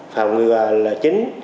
phòng ngừa là chính